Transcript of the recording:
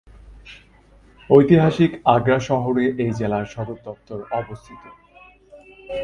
ঐতিহাসিক আগ্রা শহরে এই জেলার সদর দপ্তর অবস্থিত।